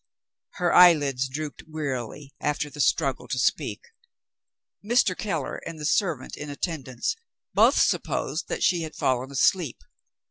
Her eyelids dropped wearily, after the struggle to speak. Mr. Keller and the servant in attendance both supposed that she had fallen asleep.